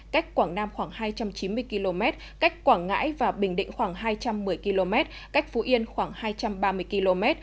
cách quảng nam khoảng hai trăm chín mươi km cách quảng ngãi và bình định khoảng hai trăm một mươi km cách phú yên khoảng hai trăm ba mươi km